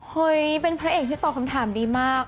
เฮ้ยเป็นพระเอกที่ตอบคำถามดีมาก